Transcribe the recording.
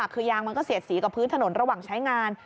คือยางมันก็เสียดสีกับพื้นถนนระหว่างใช้งาน